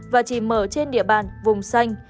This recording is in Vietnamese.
và chỉ mở trên địa bàn vùng xanh